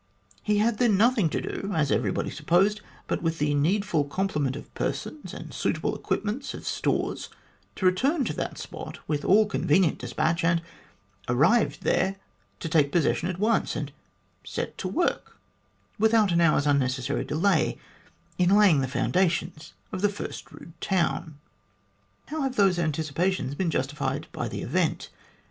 He bad then nothing to do, as everybody supposed, but, with the needful complement of persons and suitable equipments of stores, to return to that spot with all convenient despatch ; and, arrived there, to take possession at once, and set to work, without an hour's unnecessary delay, in laying the foundations of the first rude town. " How have those anticipations been justified by the event